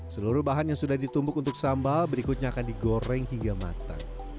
seluruh bahan yang sudah ditumbuk untuk sambal berikutnya akan digoreng hingga matang